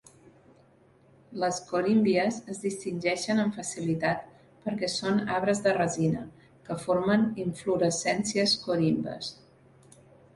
Les corymbias es distingeixen amb facilitat perquè són "arbres de resina" que formen inflorescències corimbes.